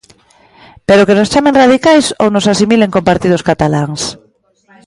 Pero que nos chamen radicais ou nos asimilen con partidos cataláns?